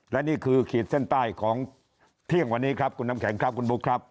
และนี่คือขีดเส้นใต้ของเที่ยงวันนี้ครับคุณน้ำแข็งครับคุณบุ๊คครับ